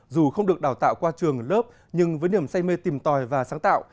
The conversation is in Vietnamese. dù không được đào tạo qua trường lớp nhưng với niềm say mê tìm tòi và sáng tạo